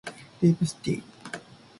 ルイボスティー